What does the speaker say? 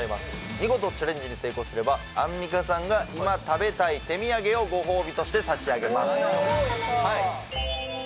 見事チャレンジに成功すればアンミカさんが今食べたい手土産をご褒美として差し上げますやったね